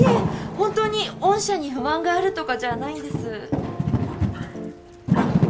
本当に御社に不満があるとかじゃないんです。